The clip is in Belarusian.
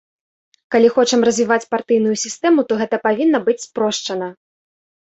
Калі хочам развіваць партыйную сістэму, то гэта павінна быць спрошчана!